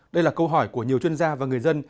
đây là câu hỏi của nhiều chuyên gia và người dân